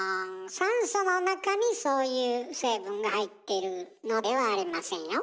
酸素の中にそういう成分が入っているのではありませんよ。